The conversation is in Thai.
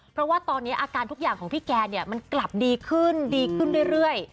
เพราะว่าตอนนี้อาการทุกอย่างของพี่แกเนี่ยมันกลับดีขึ้นดีขึ้นเรื่อย